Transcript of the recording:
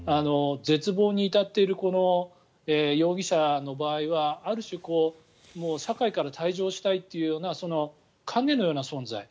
絶望に至っている容疑者の場合はある種社会から退場したいというような影のような存在。